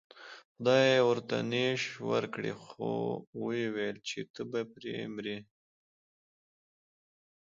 خدای ورته نیش ورکړ خو و یې ویل چې ته به پرې مرې.